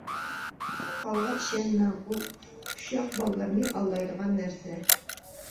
پالغا ئىشەنمەڭ، ئۇ ئۇششاق بالىلارنى ئالدايدىغان نەرسە.